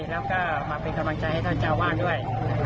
แล้วก็มาเป็นกำลังใจให้ท่านเจ้าวาดด้วย